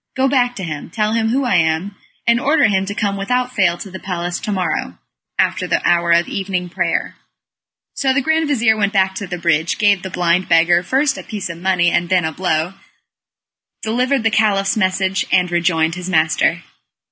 Go back to him; tell him who I am, and order him to come without fail to the palace to morrow, after the hour of evening prayer." So the grand vizir went back to the bridge; gave the blind beggar first a piece of money and then a blow, delivered the Caliph's message, and rejoined his master.